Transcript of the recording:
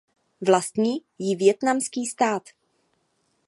Vlastní ji vietnamský stát.